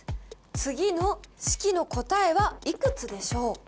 次の式の答えはいくつでしょう